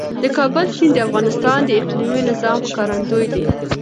د کابل سیند د افغانستان د اقلیمي نظام ښکارندوی دی.